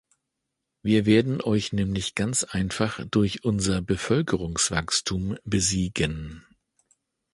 Wir werden euch nämlich ganz einfach durch unser Bevölkerungswachstum besiegen.